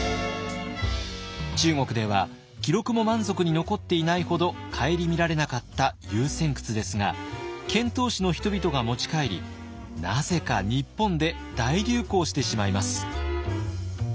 中国では記録も満足に残っていないほど顧みられなかった「遊仙窟」ですが遣唐使の人々が持ち帰りなぜか日本で大流行してしまいます。